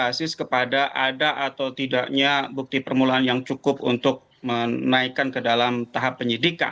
basis kepada ada atau tidaknya bukti permulaan yang cukup untuk menaikkan ke dalam tahap penyidikan